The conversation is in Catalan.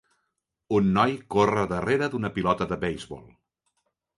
Un noi corre darrera d'una pilota de beisbol.